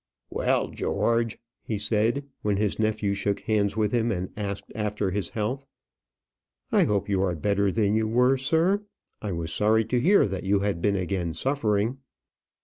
"Well, George," he said, when his nephew shook hands with him and asked after his health. "I hope you are better than you were, sir. I was sorry to hear that you had been again suffering."